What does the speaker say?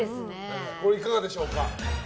いかがでしょうか？